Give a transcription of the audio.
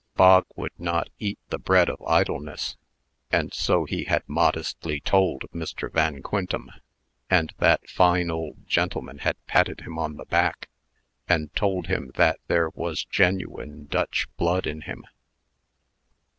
Bog would not eat the bread of idleness and so he had modestly told Mr. Van Quintem and that fine old gentleman had patted him on the back, and told him that there was genuine Dutch blood in him.